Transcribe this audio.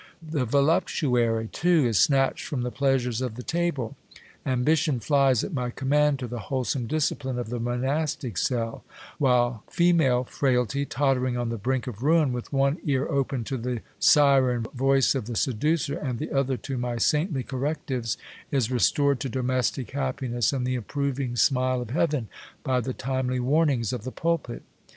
The voluptuary, too, is snatched from the pleasures of the table ; ambition flies at my command to the wholesome discipline of the monastic cell ; while female frailty, tottering on the brink of ruin, with one ear open to the siren voice of the seducer, and the other to my saintly correctives, is restored to domestic happiness and the approving smile of heaven, by the timely warnings of the pulpit.